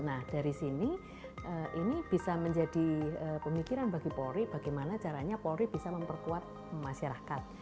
nah dari sini ini bisa menjadi pemikiran bagi polri bagaimana caranya polri bisa memperkuat masyarakat